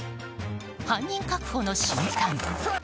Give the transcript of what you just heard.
犯人確保の瞬間。